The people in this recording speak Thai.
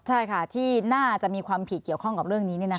ใช่ค่ะที่น่าจะมีความผิดเกี่ยวข้องกับเรื่องนี้